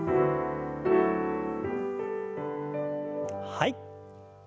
はい。